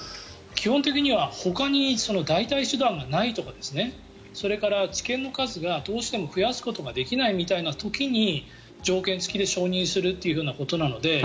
基本的にはほかに代替手段がないとかそれから治験の数がどうしても増やすことができないみたいな時に条件付きで承認するということなので。